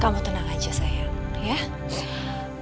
kamu tenang aja sayang